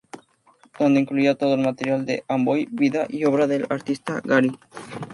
Donde incluía todo el material de Amboy, vida y obra del Artista Gary.